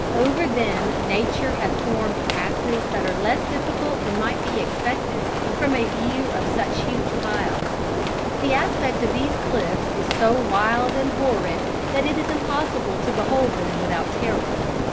Over them nature hath formed passes that are less difficult than might be expected from a view of such huge piles. The aspect of these cliffs is so wild and horrid that it is impossible to behold them without terror.